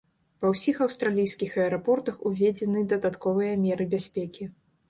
Ва ўсіх аўстралійскіх аэрапортах уведзены дадатковыя меры бяспекі.